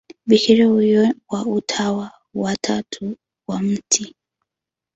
Bikira huyo wa Utawa wa Tatu wa Mt.